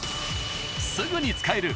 ［すぐに使える。